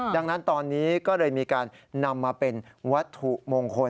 ดังนั้นตอนนี้ก็เลยมีการนำมาเป็นวัตถุมงคล